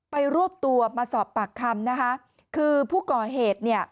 รวบตัวมาสอบปากคำนะคะคือผู้ก่อเหตุเนี่ย